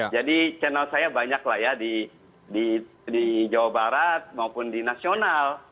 jadi channel saya banyak lah ya di jawa barat maupun di nasional